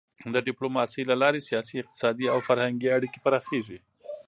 د ډيپلوماسی له لارې سیاسي، اقتصادي او فرهنګي اړیکې پراخېږي.